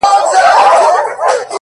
زما خوبـونو پــه واوښـتـل؛